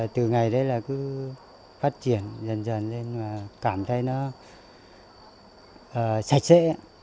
từ ngày đấy là cứ phát triển dần dần lên mà cảm thấy nó sạch sẽ